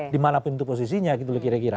dimana pun itu posisinya gitu kira kira